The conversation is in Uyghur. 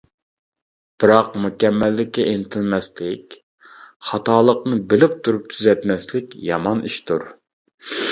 بىراق، مۇكەممەللىككە ئىنتىلمەسلىك، خاتالىقىنى بىلىپ تۇرۇپ تۈزەتمەسلىك يامان ئىشتۇر.